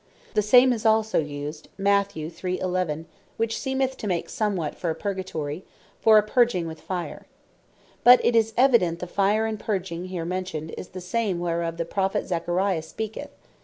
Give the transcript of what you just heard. The same is used also Mat. 3. 11. (which seemeth to make somewhat for Purgatory) for a Purging with Fire. But it is evident the Fire and Purging here mentioned, is the same whereof the Prophet Zachary speaketh (chap. 13. v.